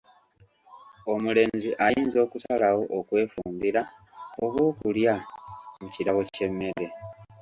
Omulenzi ayinza okusalawo okwefumbira oba okulya mu kirabo ky'emmere.